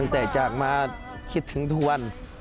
แต่จากมาคิดถึงทุกวัน